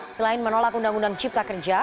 selain menolak undang undang cipta kerja